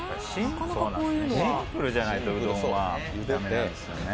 シンプルじゃないと、うどんは駄目なんですよね。